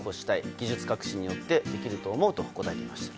技術革新によってできると思うと答えていました。